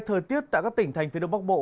thời tiết tại các tỉnh thành phía đông bắc bộ